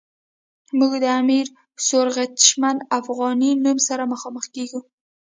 موږ د امیر سیورغتمش افغانی نوم سره مخامخ کیږو.